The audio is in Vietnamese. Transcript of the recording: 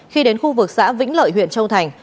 khi đến khu vực xã vĩnh lợi huyện châu thành